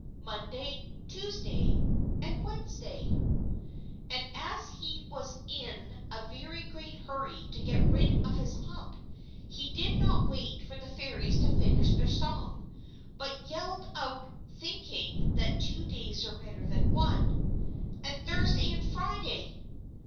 Monday! Tuesday! And Wednesday!_" And as he was in a very great hurry to get rid of his hump, he did not wait for the Fairies to finish their song, but yelled out, thinking that two days were better than one: "_And Thursday and Friday!